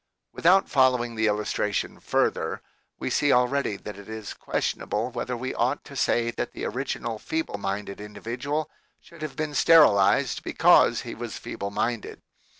Without following the illustration further, we see already that it is questionable whether we ought to say that the original feeble minded individual should have been sterilized because he was feeble minded.